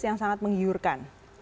yang sangat menghiurkan